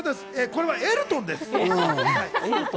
これはエルトンです。